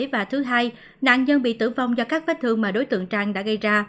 và thứ hai nạn nhân bị tử vong do các vách thượng mà đối tượng trang đã gây ra